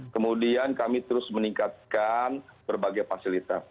kemudian kami terus meningkatkan berbagai fasilitas